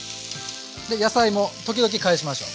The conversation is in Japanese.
で野菜も時々返しましょう。